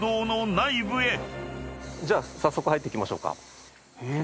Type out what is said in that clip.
じゃあ早速入ってきましょうか。